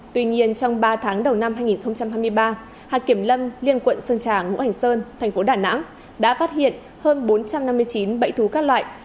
tuy nhiên trong ba tháng đầu năm hai nghìn hai mươi ba hạ kiểm lâm liên quận sơn tràng ngũ hành sơn tp đà nẵng đã phát hiện hơn bốn trăm năm mươi chín bẫy thú các loại